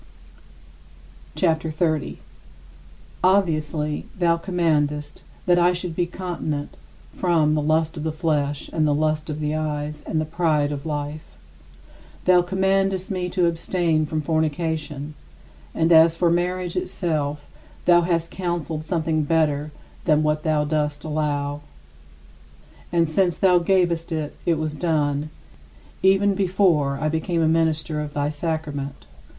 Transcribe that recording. CHAPTER XXX 41. Obviously thou commandest that I should be continent from "the lust of the flesh, and the lust of the eyes, and the pride of life." Thou commandest me to abstain from fornication, and as for marriage itself, thou hast counseled something better than what thou dost allow. And since thou gavest it, it was done even before I became a minister of thy sacrament.